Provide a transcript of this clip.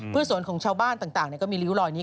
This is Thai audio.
เพื่อสวนของชาวบ้านต่างก็มีริ้วรอยนี้